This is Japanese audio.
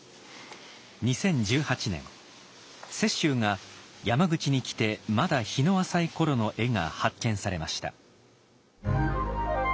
２０１８年雪舟が山口に来てまだ日の浅いころの絵が発見されました。